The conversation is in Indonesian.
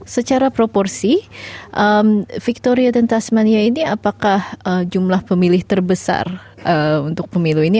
secara proporsi victoria dan tasmania ini apakah jumlah pemilih terbesar untuk pemilu ini